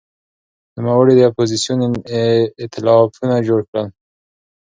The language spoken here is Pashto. نوموړي د اپوزېسیون ائتلافونه جوړ کړل.